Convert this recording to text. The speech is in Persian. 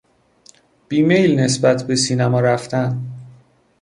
بیمیل نسبت به سینما رفتن